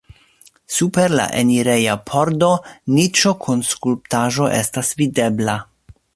Super la enireja pordo niĉo kun skulptaĵo estas videbla.